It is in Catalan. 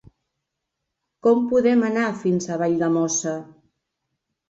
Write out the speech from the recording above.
Com podem anar fins a Valldemossa?